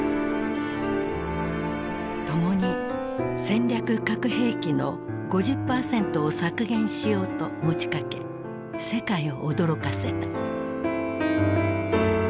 ともに戦略核兵器の５０％を削減しようと持ちかけ世界を驚かせた。